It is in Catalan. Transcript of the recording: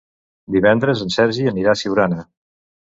Divendres en Sergi anirà a Siurana.